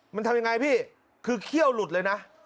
มันทำยังไงพี่คือเขี้ยวหลุดเลยนะ